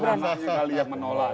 bang nama sekali yang menolak